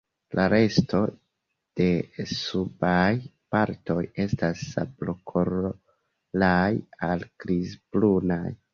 La resto de subaj partoj estas sablokoloraj al grizbrunaj.